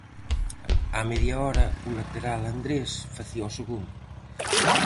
Á media hora, o lateral Andrés facía o segundo.